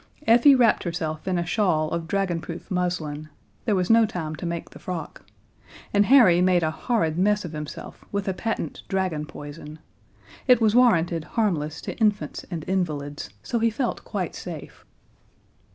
Effie wrapped herself in a shawl of dragonproof muslin there was no time to make the frock and Harry made a horrid mess of himself with the patent dragon poison. It was warranted harmless to infants and invalids, so he felt quite safe.